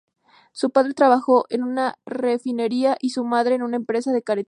Su padre trabajó en una refinería y su madre en una empresa de cáterin.